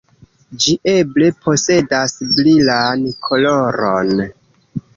Ĝi eble posedas brilan koloron.